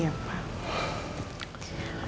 aku mau pergi